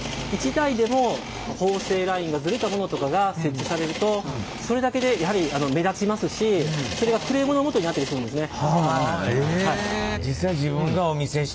１台でも縫製ラインがズレたものとかが設置されるとそれだけでやはり目立ちますしそれがクレームのもとになったりするんですね。